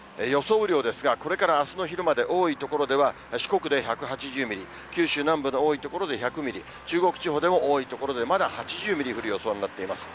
雨量ですが、これからあすの昼まで、多い所では、四国で１８０ミリ、九州南部の多い所で１００ミリ、中国地方でも多い所でまだ８０ミリ降る予想になっています。